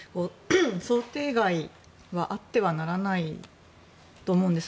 想定外はあってはならないと思うんです。